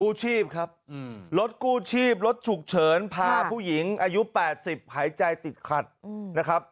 ชีพครับรถกู้ชีพรถฉุกเฉินพาผู้หญิงอายุ๘๐หายใจติดขัดนะครับ